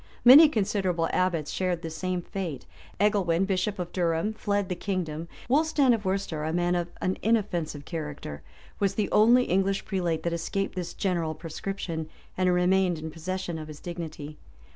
Many considerable abbots shared the same fate: Egelwin, bishop of Durham, fled the kingdom Wulstan, of Worcester, a man of an inoffensive character was the only English prelate that escaped this general proscription,[*] and remained in possession of his dignity.